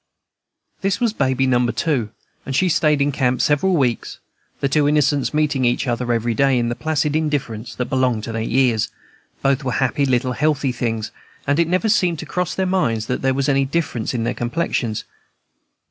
This was Baby Number Two, and she stayed in camp several weeks, the two innocents meeting each other every day, in the placid indifference that belonged to their years; both were happy little healthy things, and it never seemed to cross their minds that there was any difference in their complexions.